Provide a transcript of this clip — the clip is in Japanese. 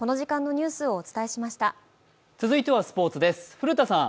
続いてはスポーツです。